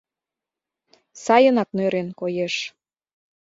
Сайынак нӧрен, коеш.